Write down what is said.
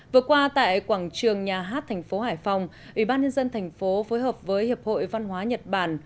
vừa qua tại quảng trường nhà hát thành phố hải phòng ủy ban nhân dân thành phố phối hợp với hiệp hội văn hóa nhật bản